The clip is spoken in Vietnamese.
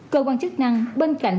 cơ quan chức năng bên cạnh